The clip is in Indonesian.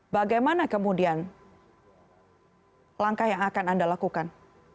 bagaimana kemudian langkah yang akan anda lakukan